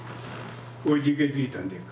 おじけづいたんでっか？